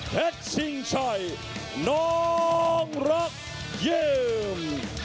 เฮ็ดชิงชัยน้องรักเย็ม